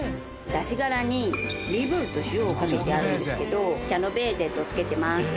出し殻にオリーブオイルと塩をかけてあるんですけどチャノベーゼとつけてます。